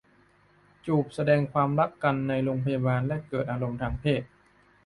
จูบแสดงความรักกันในโรงพยาบาลและเกิดอารมณ์ทางเพศ